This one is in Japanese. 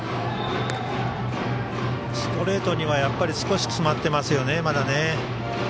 ストレートにはまだ少し詰まっていますね。